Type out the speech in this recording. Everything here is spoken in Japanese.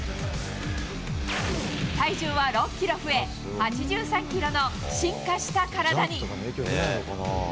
体重は６キロ増え、８３キロの進化した体に。